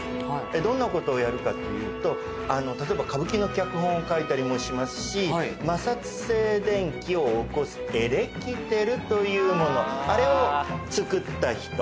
どんなことをやるかっていうと例えば歌舞伎の脚本を書いたりもしますし摩擦静電気を起こすエレキテルというものあれをつくった人。